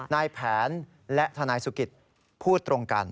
นายแผนและทนายสุกิตพูดตรงกัน